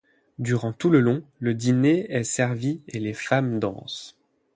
Durant tout le long, le dîner est servis et les femmes dansent.